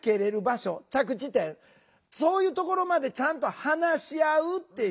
そういうところまでちゃんと話し合うっていう。